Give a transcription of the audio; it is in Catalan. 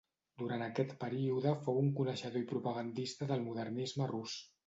Durant aquest període fou un coneixedor i propagandista del modernisme rus.